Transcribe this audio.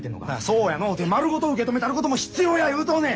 そうやのうて丸ごと受け止めたることも必要や言うとんねん！